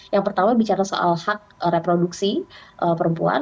yang pertama bicara soal hak reproduksi perempuan